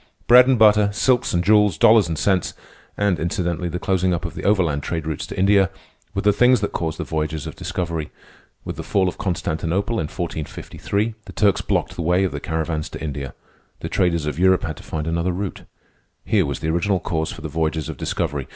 Bread and butter, silks and jewels, dollars and cents, and, incidentally, the closing up of the overland trade routes to India, were the things that caused the voyages of discovery. With the fall of Constantinople, in 1453, the Turks blocked the way of the caravans to India. The traders of Europe had to find another route. Here was the original cause for the voyages of discovery.